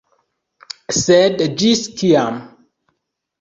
Sed ĝis kiam?